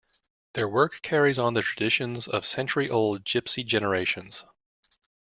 Their work carries on the traditions of century old gipsy generations.